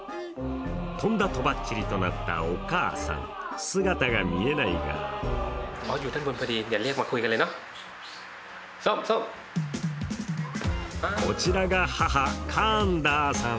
とんだとばっちりとなったお母さん、姿が見えないがこちらが母・カーンダーさん